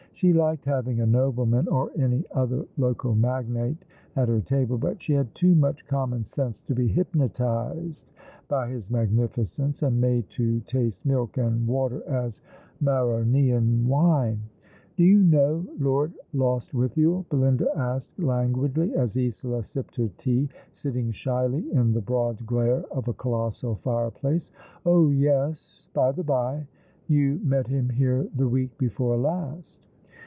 She liked having a nobleman or any other local magnate at her table; but she had too much common sense to be 42 All along the River. hypnotized by his magnificence, and made to taste milk and water as Maronean wine. " Do yon know Lord Lostwithiel ?" Belinda asked languidly, as Isola sipped her tea, sitting shyly in the broad glare of a colossal fireplace. " Oh yes, by the by, you met him here the week before last."